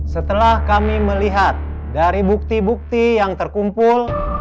setelah kami melihat dari bukti bukti yang terkumpul